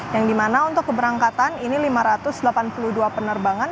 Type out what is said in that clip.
yang dimana untuk keberangkatan ini lima ratus delapan puluh dua penerbangan